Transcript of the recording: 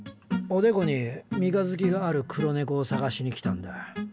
おでこに三日月がある黒猫を捜しに来たんだ。